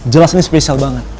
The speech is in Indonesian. jelas ini spesial banget